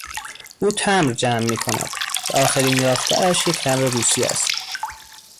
او تمبر جمع میکند و آخرین یافتهاش یک تمبر روسی است.